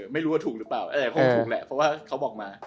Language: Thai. ไม่รู้ว่าถูกหรือเปล่า